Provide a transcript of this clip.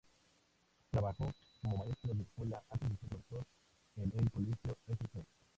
Trabajó como maestro de escuela antes de ser profesor en el colegio St.